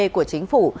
của chính phủ